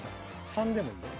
３でもいいよ。